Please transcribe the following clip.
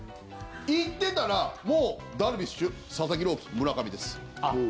行ってたら、もうダルビッシュ佐々木朗希、村上です。